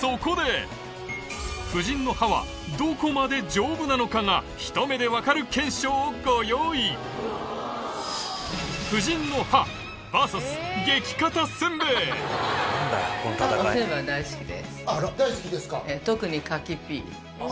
夫人の歯はどこまで丈夫なのかがひと目でわかる検証をご用意大好きですか。